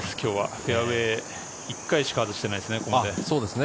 フェアウエー、１回しか外してないですね。